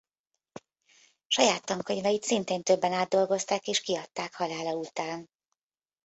Saját tankönyveit szintén többen átdolgozták és kiadták halála után.